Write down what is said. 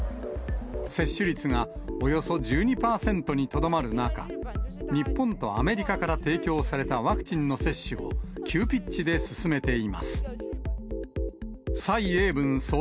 接種率がおよそ１２％にとどまる中、日本とアメリカから提供されたワクチンの接種を急ピッチで進めています。